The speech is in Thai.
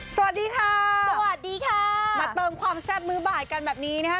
สวัสดีค่ะสวัสดีค่ะมาเติมความแซ่บมือบ่ายกันแบบนี้นะคะ